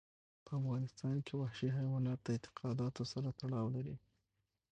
په افغانستان کې وحشي حیوانات د اعتقاداتو سره تړاو لري.